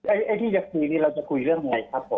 ไอ้ที่จะคุยนี่เราจะคุยเรื่องยังไงครับผม